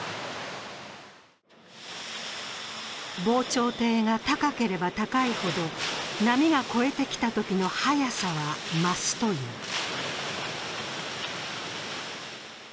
防潮堤が高ければ高いほど、波が越えてきたときの速さは増すという。